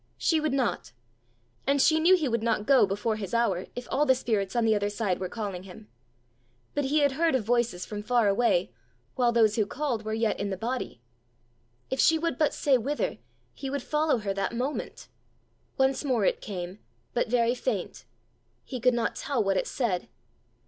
She would not! And she knew he would not go before his hour, if all the spirits on the other side were calling him. But he had heard of voices from far away, while those who called were yet in the body! If she would but say whither, he would follow her that moment! Once more it came, but very faint; he could not tell what it said.